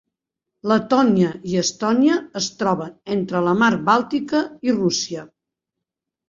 Letònia i Estònia es troben entre la Mar Bàltica i Rússia.